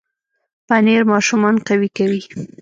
پنېر ماشومان قوي کوي.